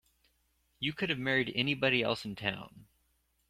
You could have married anybody else in town.